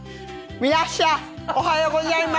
黒柳徹子さん、おはようございます。